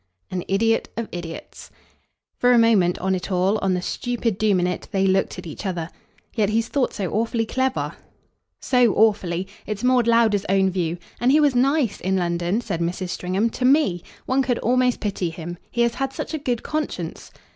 "An idiot of idiots." For a moment, on it all, on the stupid doom in it, they looked at each other. "Yet he's thought so awfully clever." "So awfully it's Maud Lowder's own view. And he was nice, in London," said Mrs. Stringham, "to ME. One could almost pity him he has had such a good conscience."